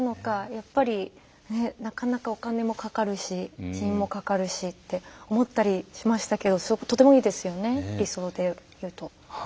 やっぱりなかなかお金もかかるし人員もかかるしって思ったりしましたけどとてもいいですよね理想で言うと。